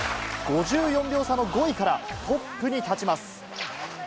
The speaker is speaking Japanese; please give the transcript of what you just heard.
５４秒差の５位からトップに立ちます。